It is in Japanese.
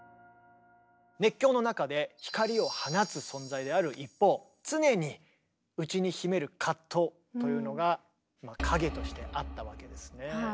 熱狂の中で光を放つ存在である一方常に内に秘める藤というのが影としてあったわけですね。